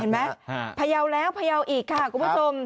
เห็นไหมพะเยาว์แล้วพะเยาว์อีกค่ะกุณผู้ชม